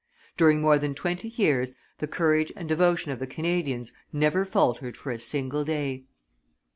During more than twenty years the courage and devotion of the Canadians never faltered for a single day.